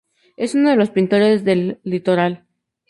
Es uno de los pintores del litoral